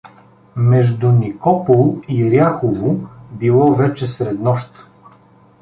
Между Никопол и Ряхово било вече среднощ.